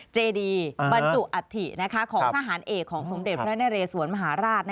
เจฒีปันจุอฐิของทหารเอกสมเด็นพระแนเรสวรรมหาราช